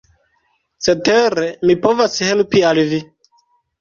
Cetere mi povas helpi al vi.